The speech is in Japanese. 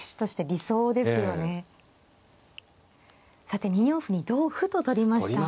さて２四歩に同歩と取りました。